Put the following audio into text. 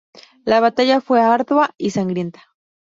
La batalla fue ardua y sangrienta.